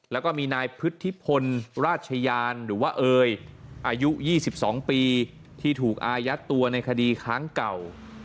แล้วก็มีนายพุทธิพลราชยานหรือว่าเอยอายุ๒๒ปีที่ถูกอายัดตัวในคดีค้างเก่า